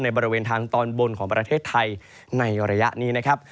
บริเวณทางตอนบนของประเทศไทยในระยะนี้นะครับ